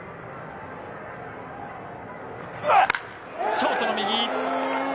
ショートの右。